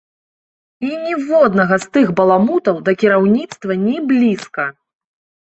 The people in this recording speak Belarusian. І ніводнага з тых баламутаў да кіраўніцтва ні блізка!